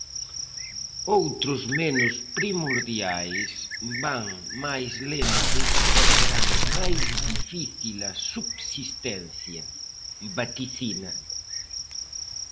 Outros menos primordiais van máis lentos e terán máis difícil a subsistencia, vaticina.